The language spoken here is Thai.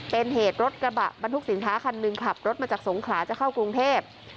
เป็นเหตุรถกระบะบรรทุกสินค้าคันหนึ่งขับรถมาจากสงขลาจะเข้ากรุงเทพ